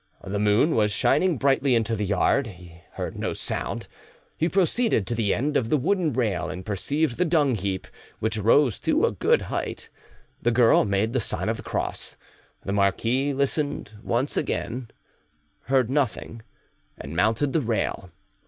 The moon was shining brightly into the yard; he heard no sound. He proceeded to the end of the wooden rail, and perceived the dungheap, which rose to a good height: the girl made the sign of the cross. The marquis listened once again, heard nothing, and mounted the rail.